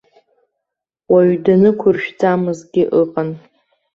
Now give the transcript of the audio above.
Уаҩ данықәыршәӡамызгьы ыҟан.